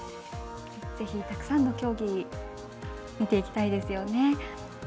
ぜひ、たくさんの競技見ていきたいですよね。